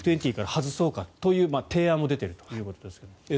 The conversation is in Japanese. Ｇ２０から外そうかという提案も出ているということですが。